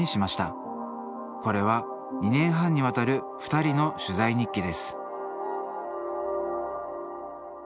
これは２年半にわたるふたりの取材日記です